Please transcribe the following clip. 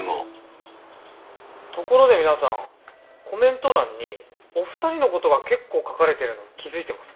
ところで皆さんコメント欄にお二人のことが結構書かれてるの気付いてます？